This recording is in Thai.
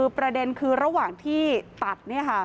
ประเด็นคือระหว่างที่ตัด